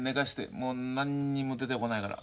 もう何にも出てこないから。